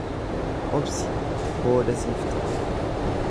Obsi, booda siif tola.